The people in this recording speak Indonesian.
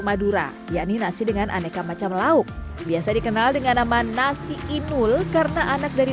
madura yakni nasi dengan aneka macam lauk biasa dikenal dengan nama nasi inul karena anak dari